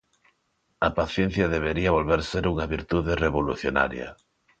A paciencia debería volver ser unha virtude revolucionaria.